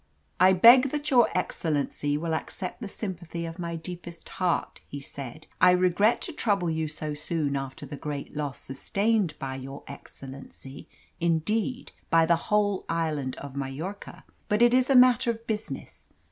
"I beg that your excellency will accept the sympathy of my deepest heart," he said. "I regret to trouble you so soon after the great loss sustained by your excellency, indeed, by the whole island of Majorca. But it is a matter of business.